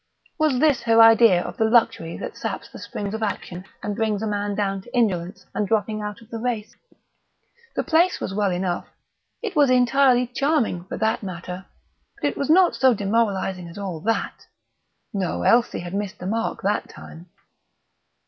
Was this her idea of the luxury that saps the springs of action and brings a man down to indolence and dropping out of the race? The place was well enough it was entirely charming, for that matter but it was not so demoralising as all that! No; Elsie had missed the mark that time....